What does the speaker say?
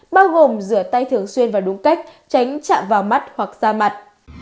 bao gồm rửa tay thường xuyên và đúng cách tránh chạm vào mắt hoặc da mặt